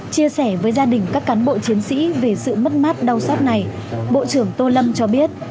chia sẻ với gia đình các cán bộ chiến sĩ về sự mất mát đau xót này bộ trưởng tô lâm cho biết